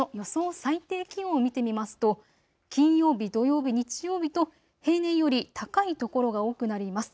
最低気温を見てみますと金曜日、土曜日、日曜日と平年より高い所が多くなります。